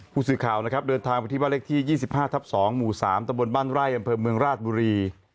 ผู้สื่อข่าวนะครับเดินทางไปที่บ้านเลขที่๒๕ทับ๒หมู่๓ตะบนบ้านไร่อำเภอเมืองราชบุรี